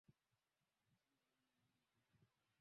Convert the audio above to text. Hilo ni jambo linalohitaji kushughulikiwa